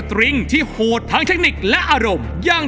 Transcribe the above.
แต่ว่าหนูซ้อมมาค่อนข้างนาน